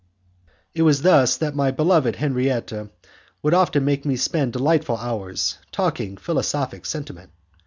It was thus that my beloved Henriette would often make me spend delightful hours, talking philosophic sentiment.